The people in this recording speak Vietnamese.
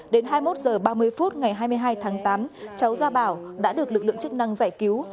đến hai mươi một h ba mươi phút ngày hai mươi hai tháng tám cháu gia bảo đã được lực lượng chức năng giải cứu